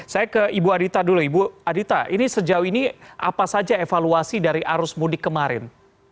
saya ke ibu adita dulu ibu adita ini sejauh ini apa saja evaluasi dari arus mudik kemarin